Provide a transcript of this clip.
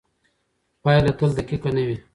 پایله تل دقیقه نه وي.